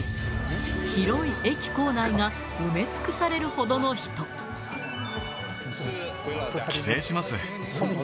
広い駅構内が埋め尽くされる帰省します。